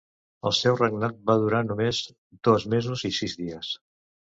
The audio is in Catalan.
El seu regnat va durar només dos mesos i sis dies.